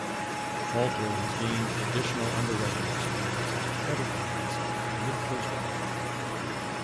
Walter has gained additional underwriting experience as a credit analyst at MidFirst Bank.